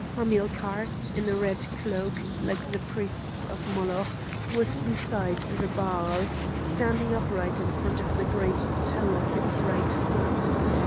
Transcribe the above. Hamilcar, in a red cloak, like the priests of Moloch, was beside the Baal, standing upright in front of the great toe of its right foot.